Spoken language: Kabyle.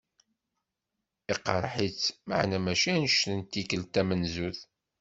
Iqreḥ-itt, maɛna mačči anect n tikelt tamenzut.